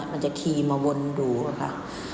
มันจะขี่มาวนดูค่ะ